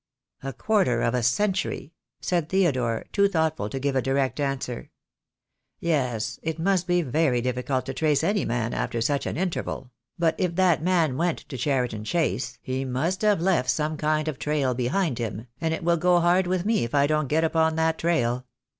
"A quarter of a century," said Theodore, too thought ful to give a direct answer. "Yes, it must be very diffi cult to trace any man after such an interval; but if that man went to Cheriton Chase he must have left some go THE DAY WILL COME. kind of trail behind him, and it will go hard with me if I don't get upon that trail.